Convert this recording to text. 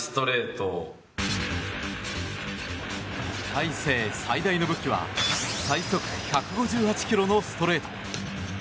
大勢最大の武器は最速１５８キロのストレート。